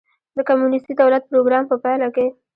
د کمونېستي دولت پروګرام په پایله کې.